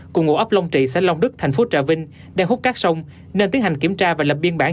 cùng ngụ ấp long trị xã long đức thành phố trà vinh đang hút cát sông nên tiến hành kiểm tra và lập biên bản